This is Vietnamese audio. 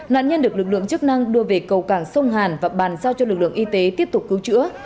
nạn nhân được lực lượng chức năng đưa về cầu cảng sông hàn và bàn giao cho lực lượng y tế tiếp tục cứu chữa